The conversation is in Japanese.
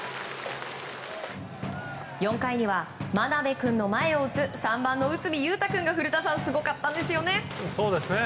４回には真鍋君の前を打つ３番の内海優太君がすごかったんですよね。